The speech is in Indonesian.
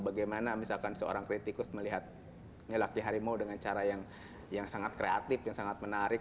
bagaimana misalkan seorang kritikus melihat ngelakti harimau dengan cara yang sangat kreatif yang sangat menarik